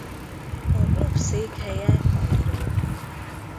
A klub székhelye Kairó.